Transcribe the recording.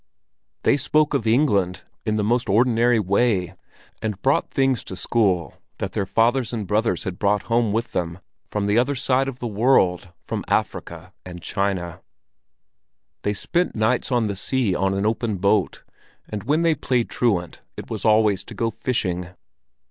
They spoke of England in the most ordinary way and brought things to school that their fathers and brothers had brought home with them from the other side of the world, from Africa and China. They spent nights on the sea on an open boat, and when they played truant it was always to go fishing.